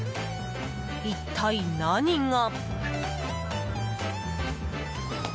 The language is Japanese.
一体、何が。